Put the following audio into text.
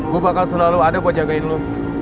gue bakal selalu ada buat jagain lo